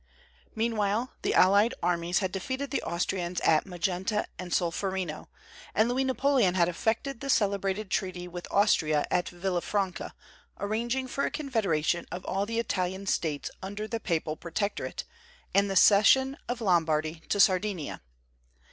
Meanwhile the allied armies had defeated the Austrians at Magenta and Solferino, and Louis Napoleon had effected the celebrated treaty with Austria at Villa Franca, arranging for a confederation of all the Italian States under the Papal Protectorate, and the cession of Lombardy to Sardinia.